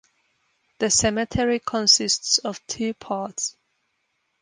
The cemetery consists of two parts.